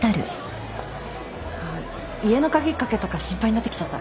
家の鍵かけたか心配になってきちゃった。